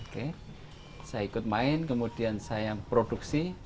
oke saya ikut main kemudian saya produksi